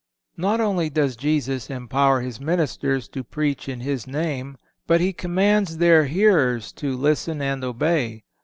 (493) Not only does Jesus empower His ministers to preach in His name, but he commands their hearers to listen and obey.